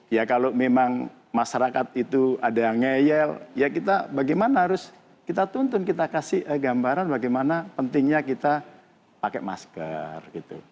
ya kalau memang masyarakat itu ada yang ngeyel ya kita bagaimana harus kita tuntun kita kasih gambaran bagaimana pentingnya kita pakai masker